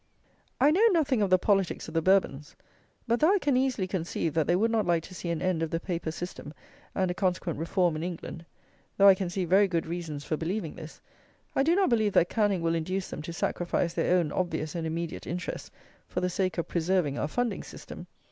I know nothing of the politics of the Bourbons; but though I can easily conceive that they would not like to see an end of the paper system and a consequent Reform in England; though I can see very good reasons for believing this, I do not believe that Canning will induce them to sacrifice their own obvious and immediate interests for the sake of preserving our funding system.